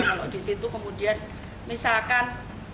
kalau di situ kemudian misalkan